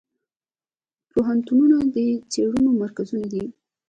پوهنتونونه د څیړنو مرکزونه دي.